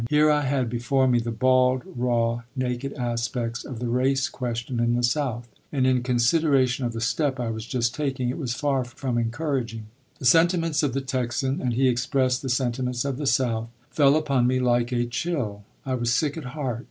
Here I had before me the bald, raw, naked aspects of the race question in the South; and, in consideration of the step I was just taking, it was far from encouraging. The sentiments of the Texan and he expressed the sentiments of the South fell upon me like a chill. I was sick at heart.